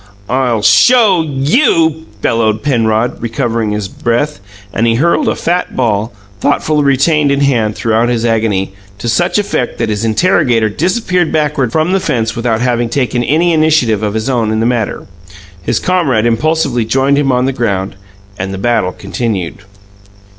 "I'll SHOW you!" bellowed Penrod, recovering his breath; and he hurled a fat ball thoughtfully retained in hand throughout his agony to such effect that his interrogator disappeared backward from the fence without having taken any initiative of his own in the matter. His comrade impulsively joined him upon the ground, and the battle continued.